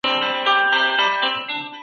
هر نیم ساعت کې درې دقیقې کفایت کوي.